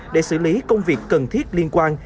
để xử lý công việc cần thiết liên quan